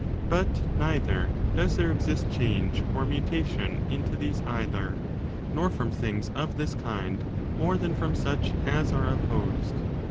But neither does there exist change or mutation into these either, nor from things of this kind more than from such as are opposed.